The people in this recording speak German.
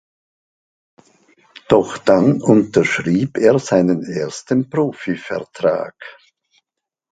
Doch dann unterschrieb er seinen ersten Profivertrag.